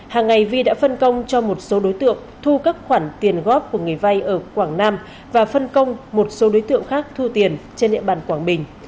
hàng ngày vi đã phân công cho một số đối tượng thu các khoản tiền góp của người vay ở quảng nam và phân công một số đối tượng khác thu tiền trên địa bàn quảng bình